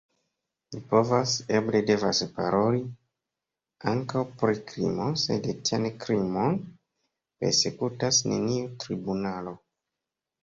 Ni povas, eble devas paroli ankaŭ pri krimo, sed tian krimon persekutas neniu tribunalo.